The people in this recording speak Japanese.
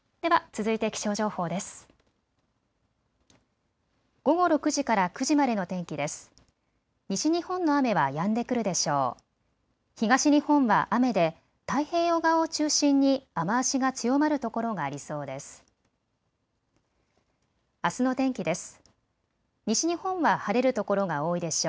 東日本は雨で太平洋側を中心に雨足が強まる所がありそうです。